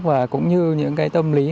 và cũng như những tâm lý